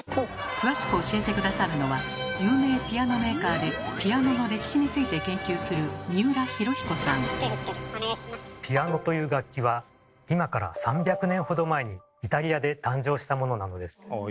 詳しく教えて下さるのは有名ピアノメーカーでピアノの歴史について研究するピアノという楽器は今から３００年ほど前にイタリアで誕生したものなのです。